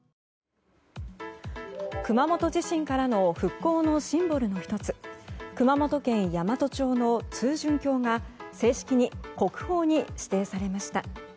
熊本地震からの復興のシンボルの１つ熊本県山都町の通潤橋が正式に国宝に指定されました。